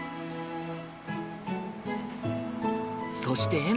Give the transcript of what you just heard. そして笑